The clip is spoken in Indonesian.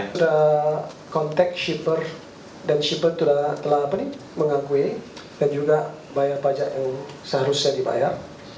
kita sudah kontak shipper dan shipper telah mengakui dan juga bayar pajak yang seharusnya dibayar